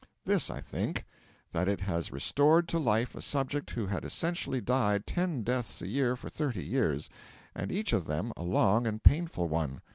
This, I think: that it has restored to life a subject who had essentially died ten deaths a year for thirty years, and each of them a long and painful one.